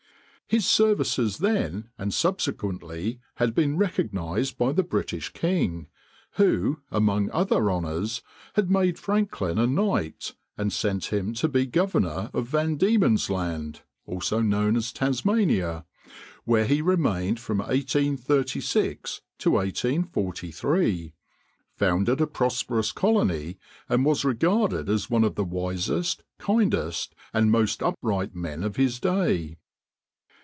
His services then and subsequently had been recognized by the British king, who, among other honors, had made Franklin a knight, and sent him to be governor of Van Diemen's Land (Tasmania), where he remained from 1836 to 1843, founded a prosperous colony, and was regarded as one of the wisest, kindest, and most upright men of his day.